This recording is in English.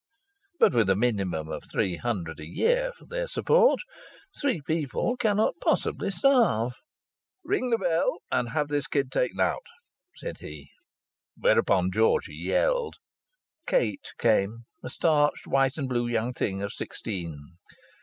But with a minimum of three hundred a year for their support three people cannot possibly starve. "Ring the bell and have this kid taken out," said he. Whereupon Georgie yelled. Kate came, a starched white and blue young thing of sixteen.